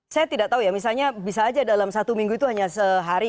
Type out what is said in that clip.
saya tidak tahu ya misalnya bisa saja dalam satu minggu itu hanya sehari